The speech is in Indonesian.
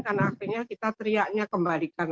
karena akhirnya kita teriaknya kembalikan